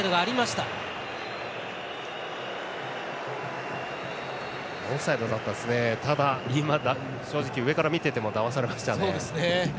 ただ、正直上から見ててもだまされましたね。